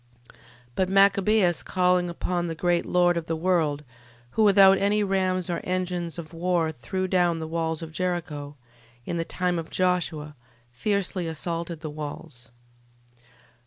12:15. But Machabeus calling upon the great Lord of the world, who without any rams or engines of war threw down the walls of Jericho, in the time of Josue, fiercely assaulted the walls.